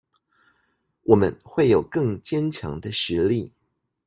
我們會有更堅強的實力